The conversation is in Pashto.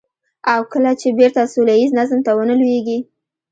او کله چې بېرته سوله ييز نظم ته ونه لوېږي.